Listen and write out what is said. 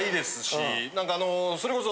何かあのそれこそ。